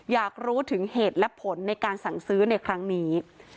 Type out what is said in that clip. อยากรู้ถึงเหตุและผลในการสั่งซื้อในครั้งนี้